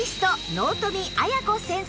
納富亜矢子先生